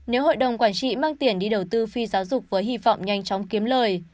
nếu hội đồng quản trị mang tiền đi đầu tư phi giáo dục với hy vọng nhanh chóng kiếm lời